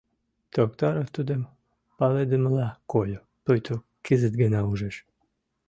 Токтаров тудым палыдымыла койо, пуйто кызыт гына ужеш.